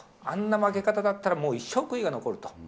あんな負け方だったら、もう一生悔いが残ると。